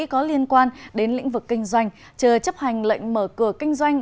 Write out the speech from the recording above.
có liên quan đến lĩnh vực kinh doanh chờ chấp hành lệnh mở cửa kinh doanh